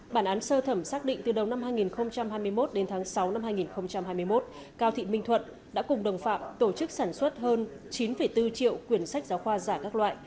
bản án sơ thẩm xác định từ đầu năm hai nghìn hai mươi một đến tháng sáu năm hai nghìn hai mươi một cao thị minh thuận đã cùng đồng phạm tổ chức sản xuất hơn chín bốn triệu quyền sách giáo khoa giả các loại